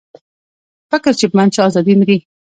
فکر چې بند شو، ازادي مري.